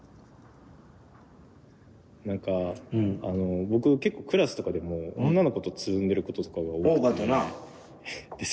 なんか僕結構クラスとかでも女の子とつるんでることとかが多くて。